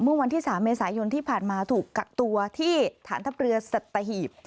เมื่อวันที่๓เมษายนที่ผ่านมาถูกกักตัวที่ฐานทัพเรือสัตหีบ